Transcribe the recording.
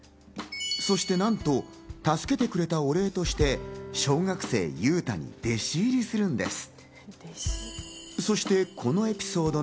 そしてなんと助けてくれたお礼として小学生ユウタに弟子入りするんです。